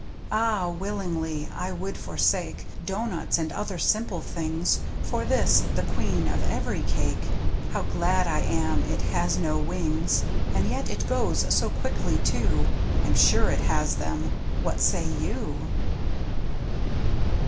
Ah! willingly I would forsake Doughnuts, and other simple things, For this — the queen of ev'ry cake — How glad I am it has no wings! And yet it goes so quickly too, I'm sure it has them. What say you?